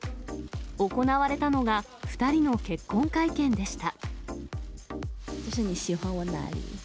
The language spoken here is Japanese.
行われたのが、２人の結婚会見でした。